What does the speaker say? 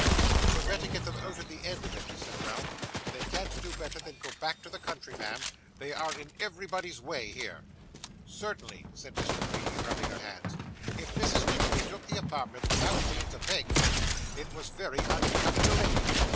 'Then you had better get them out at the end of it,' said Ralph. 'They can't do better than go back to the country, ma'am; they are in everybody's way here.' 'Certainly,' said Miss La Creevy, rubbing her hands, 'if Mrs. Nickleby took the apartments without the means of paying for them, it was very unbecoming a lady.